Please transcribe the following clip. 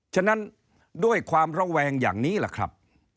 ฉะนั้นด้วยความเหล้าแวงอย่างนี้ล่ะครับ